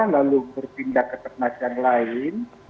lalu berpindah ke ternak yang lain